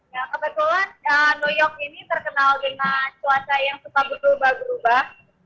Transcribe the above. ya kebetulan new york ini terkenal dengan cuaca yang suka berubah berubah